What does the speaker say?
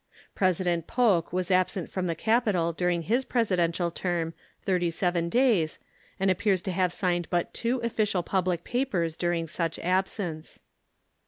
President Polk was absent from the capital during his Presidential term thirty seven days, and appears to have signed but two official public papers during such absence.